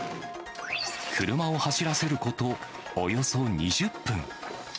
車を走らせることおよそ２０分。